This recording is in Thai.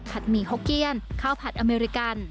ผัดหมี่หกเกียรติข้าวผัดอเมริกัน